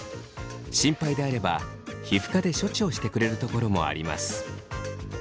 心配であれば皮膚科で処置をしてくれるところもあります。